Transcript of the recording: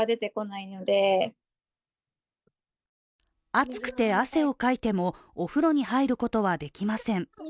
暑くて汗をかいてもお風呂に入ることはできません。